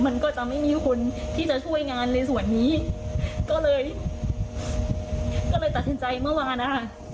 มันก็จะไม่มีคนที่จะช่วยงานในส่วนนี้ก็เลยก็เลยตัดสินใจเมื่อวานนะคะ